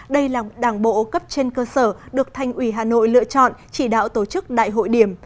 đây là đảng bộ cấp trên cơ sở được thành ủy hà nội lựa chọn chỉ đạo tổ chức đại hội điểm